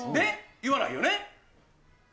言わないよね。